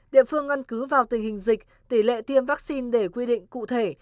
địa phương ngân cứ vào tình hình dịch tỷ lệ tiêm vaccine để quy định cụ thể